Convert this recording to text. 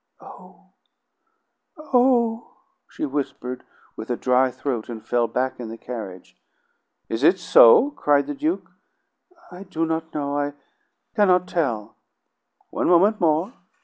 "Oh, oh!" she whispered with a dry throat, and fell back in the carriage. "Is it so?" cried the Duke. "I do not know. I cannot tell." "One moment more.